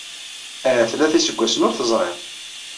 Ahat tlata iseggasen ur t-ẓriɣ.